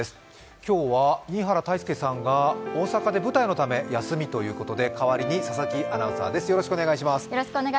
今日は新原泰佑さんが大阪で舞台のため休みということで、代わりに佐々木アナウンサーです。